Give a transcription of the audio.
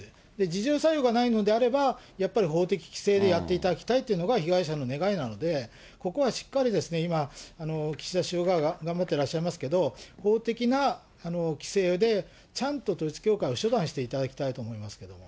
自浄作用がないのであれば、やっぱり法的規制でやっていただきたいというのが、被害者の願いなので、ここはしっかり今、岸田首相が頑張ってらっしゃいますけれども、法的な規制で、ちゃんと統一教会を処断していただきたいと思いますけれども。